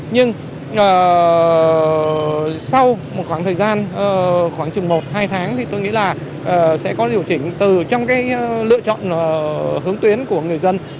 nhưng mà sau một khoảng thời gian khoảng chừng một hai tháng thì tôi nghĩ là sẽ có điều chỉnh từ trong cái lựa chọn hướng tuyến của người dân